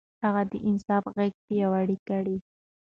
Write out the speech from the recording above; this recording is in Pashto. هغه د انصاف غږ پياوړی کړ.